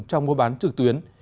cho mua bán trực tuyến